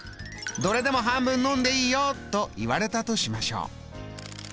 「どれでも半分飲んでいいよ」と言われたとしましょう。